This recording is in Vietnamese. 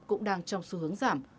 cũng đang trong xu hướng giảm